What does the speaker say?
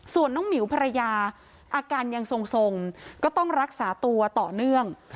ส่วนน้องหมิวภรรยาอาการยังทรงก็ต้องรักษาตัวต่อเนื่อง